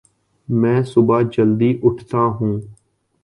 میں صبح جلدی اٹھتاہوں